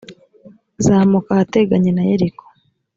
zamuka ahateganye na yeriko,